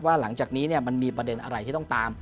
หลังจากนี้มันมีประเด็นอะไรที่ต้องตาม